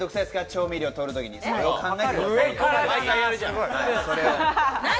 調味料を取るときに、それを考えてください。